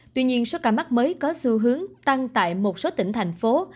tuy nhiên số ca mắc mới có xu hướng tăng tại một số tỉnh thành phố